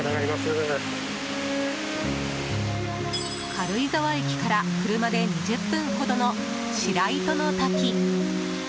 軽井沢駅から車で２０分ほどの白糸の滝。